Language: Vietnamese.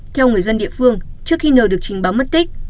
theo người dân địa phương trước khi nờ được trình báo mất tích